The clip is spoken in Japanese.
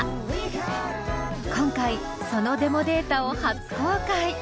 今回そのデモデータを初公開！